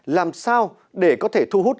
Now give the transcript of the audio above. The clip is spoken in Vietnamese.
làm sao để có thể thu hút